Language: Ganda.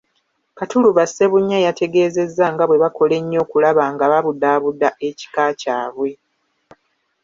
Katuluba Ssebunnya yategeezezza nga bwe bakola ennyo okulaba nga babudaabuda ekika kyabwe.